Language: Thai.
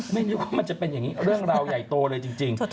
นึกว่ามันจะเป็นอย่างนี้เรื่องราวใหญ่โตเลยจริง